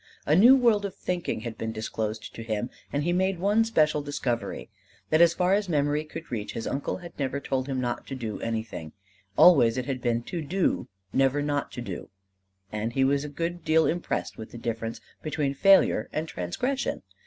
A new world of thinking had been disclosed to him. And he made one special discovery: that as far as memory could reach his uncle had never told him not to do anything: always it had been to do never not to do. And he was a good deal impressed with the difference between failure and transgression.